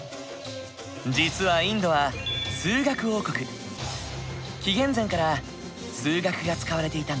実は紀元前から数学が使われていたんだ。